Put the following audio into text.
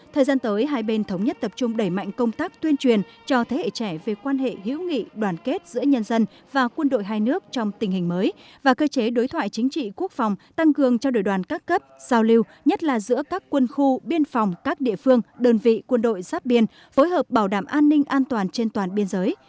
thời gian tới hai bên thống nhất tập trung đẩy mạnh công tác tuyên truyền cho thế hệ trẻ về quan hệ hữu nghị đoàn kết giữa nhân dân và quân đội hai nước trong tình hình mới và cơ chế đối thoại chính trị quốc phòng tăng cường trao đổi đoàn các cấp giao lưu nhất là giữa các quân khu biên phòng các địa phương đơn vị quân đội giáp biên phối hợp bảo đảm an ninh an toàn trên toàn biên giới